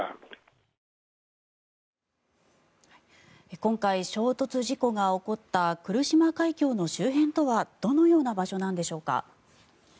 今回、衝突事故が起こった来島海峡の周辺とはどのような場所なんでしょうか。